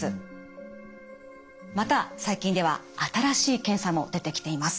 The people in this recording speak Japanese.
また最近では新しい検査も出てきています。